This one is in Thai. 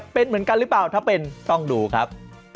เป็นเหมือนกันหรือเปล่าถ้าเป็นต้องดูครับ